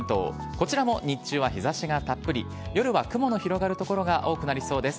こちらも日中は日ざしがたっぷり、夜は雲の広がる所が多くなりそうです。